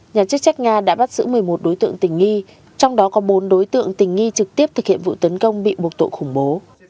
nhà chức trách nga đã bắt giữ một mươi một đối tượng tình nghi trong đó có bốn đối tượng tình nghi trực tiếp thực hiện vụ tấn công bị buộc tội khủng bố